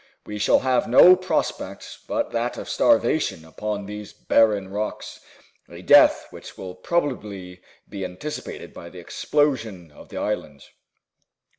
We shall have no prospect but that of starvation upon these barren rocks a death which will probably be anticipated by the explosion of the island."